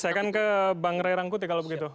saya akan ke bang rai rangkut ya kalau begitu